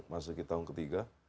masuk ke tahun ketiga